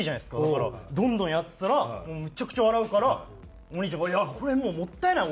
だからどんどんやってたらめちゃくちゃ笑うからお兄ちゃんが「いやこれもうもったいない。